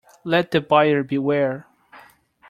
Let the buyer beware.